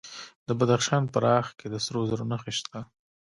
د بدخشان په راغ کې د سرو زرو نښې شته.